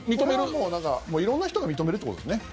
これはもういろんな人が認めるってことですね。